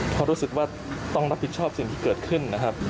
เพราะรู้สึกว่าต้องรับผิดชอบสิ่งที่เกิดขึ้นนะครับ